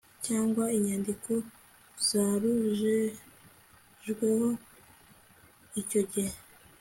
cyangwa inyandiko zarugejejweho Icyo gihe